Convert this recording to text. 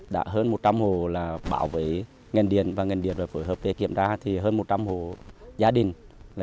đã hơn một trăm linh hồ bảo vệ ngành điện và ngành điện rồi phối hợp để kiểm tra thì hơn một trăm linh hồ gia đình